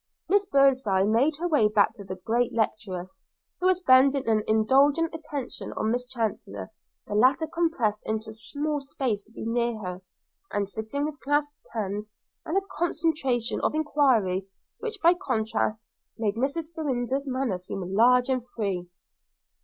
Miss Birdseye made her way back to the great lecturess, who was bending an indulgent attention on Miss Chancellor; the latter compressed into a small space, to be near her, and sitting with clasped hands and a concentration of inquiry which by contrast made Mrs. Farrinder's manner seem large and free.